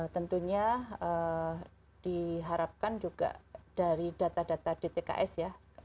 tentunya diharapkan juga dari data data dtks ya